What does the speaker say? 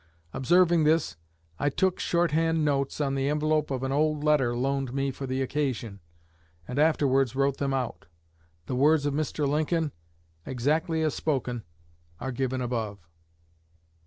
Observing this, I took short hand notes on the envelope of an old letter loaned me for the occasion, and afterwards wrote them out. The words of Mr. Lincoln, exactly as spoken, are given above."